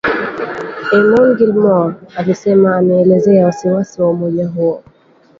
Eamon Gilmore alisema ameelezea wasiwasi wa umoja huo